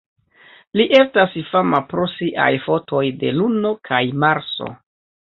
Li estas fama pro siaj fotoj de Luno kaj Marso.